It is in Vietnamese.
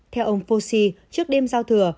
theo ông fossey trước đêm giao thừa